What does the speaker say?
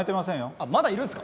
あっまだいるんですか？